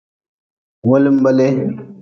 Wo linba lee.